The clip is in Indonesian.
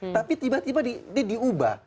tapi tiba tiba diubah